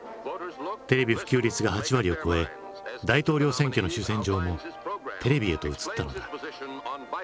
テレビ普及率が８割を超え大統領選挙の主戦場もテレビへと移ったのだ。